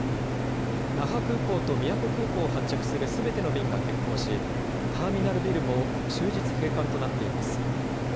那覇空港と宮古空港を発着するすべての便が欠航しターミナルビルも終日、閉館となっています。